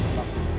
ya allah ya allah